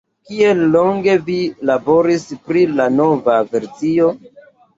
Kiel longe vi laboris pri la nova versio?